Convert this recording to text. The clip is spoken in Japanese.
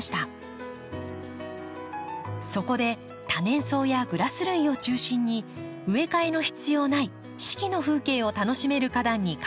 そこで多年草やグラス類を中心に植え替えの必要ない四季の風景を楽しめる花壇にかえたのです。